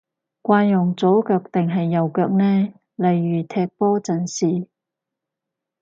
慣用左腳定係右腳呢？例如踢波陣時